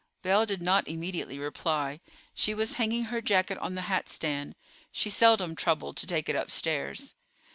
Belle did not immediately reply. She was hanging her jacket on the hat stand; she seldom troubled to take it upstairs.